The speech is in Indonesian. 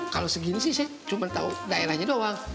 kalo segini sih saya cuma tau daerahnya doang